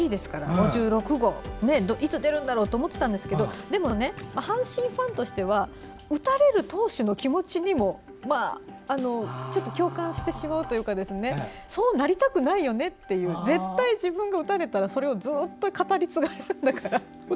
５６号がいつ出るんだろうと思ってましたが阪神ファンとしては打たれる投手の気持ちにもちょっと共感してしまうというかそうなりたくないよねというか絶対自分が打たれたらそれをずっと語り継がれるから。